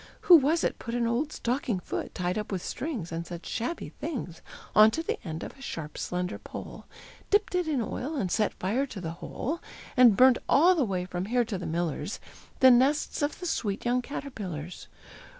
Who was it put An old stocking foot, Tied up with strings And such shabby things, On to the end of a sharp, slender pole, Dipped it in oil and set fire to the whole, And burnt all the way from here to the miller's The nests of the sweet young caterpillars?